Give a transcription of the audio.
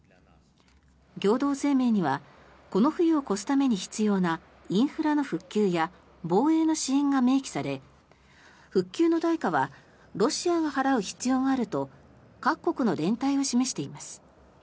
共同声明にはこの冬を越すために必要なインフラの復旧や防衛の支援が明記され復興の代価はロシアが払う必要があると各国の連帯を示しています。